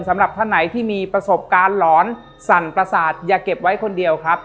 สำหรับท่านไหนที่มีประสบการณ์หลอนสั่นประสาทอย่าเก็บไว้คนเดียวครับ